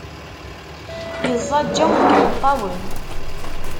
Yeẓaǧǧaw deg imeṭṭawen.